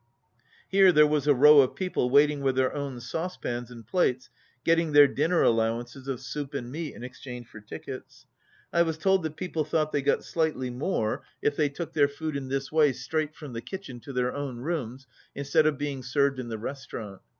Here there was a row of people waiting with their own saucepans and plates, getting their dinner allowances of soup and meat in exchange for tickets. I was told that people thought they got slightly more if they took 39 their food in this way straight from the kitchen to their own rooms instead of being served in the restaurant.